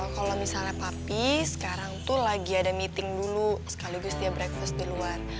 kalau misalnya papi sekarang tuh lagi ada meeting dulu sekaligus dia breakfast di luar